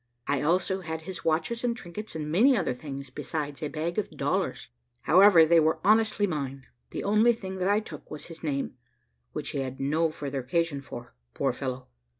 I also had his watches and trinkets, and many other things, besides a bag of dollars. However, they were honestly mine; the only thing that I took was his name, which he had no further occasion for, poor fellow!